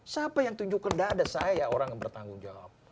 siapa yang tunjukkan dada saya orang yang bertanggung jawab